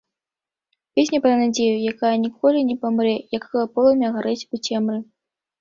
Песня пра надзею, якая ніколі не памрэ, як полымя гарыць у цемры.